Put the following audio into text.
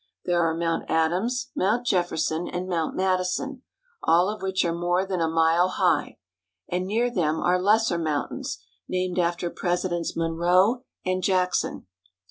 There are Mount Adams, Mount Jefferson, and Mount Madison, all of which are more than a mile high ; and near them are lesser mountains, named after Presidents Monroe and Jackson.